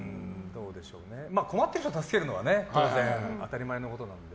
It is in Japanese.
困ってる人を助けるのは当たり前のことなので。